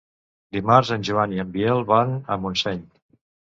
Dimarts en Joan i en Biel van a Montseny.